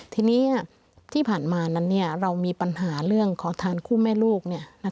ทีนี้ที่ผ่านมานั้นเรามีปัญหาเรื่องขอทานคู่แม่ลูก